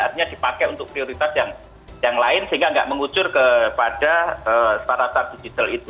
artinya dipakai untuk prioritas yang lain sehingga nggak mengucur kepada syarat syarat digital itu